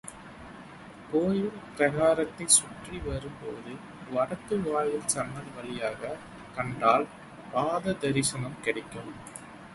கோயில் பிராகாரத்தைச்சுற்றி வரும் போது வடக்கு வாயில் சன்னல் வழியாகக் கண்டால் பாததரிசனம் கிடைக்கும்.